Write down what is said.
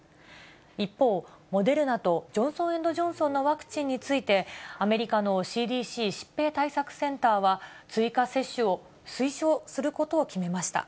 一方、モデルナとジョンソン・エンド・ジョンソンのワクチンについて、アメリカのＣＤＣ・疾病対策センターは、追加接種を推奨することを決めました。